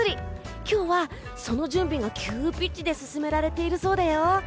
今日は、その準備が急ピッチで進められているそうだぞ。